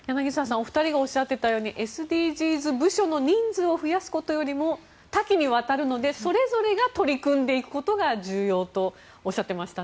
お二人がおっしゃっていたようにＳＤＧｓ部署の人数を増やすことよりも多岐にわたるのでそれぞれが取り組んでいくことが重要とおっしゃっていましたね。